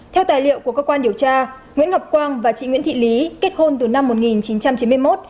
theo tài liệu của cơ quan điều tra nguyễn ngọc quang và chị nguyễn thị lý kết hôn từ năm một nghìn chín trăm chín mươi một